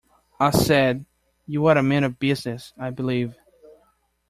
I said, 'You are a man of business, I believe?'